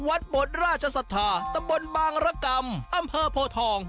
วัดบทราชศัตริย์ตำบลบางระกำอำเผอร์โพทอง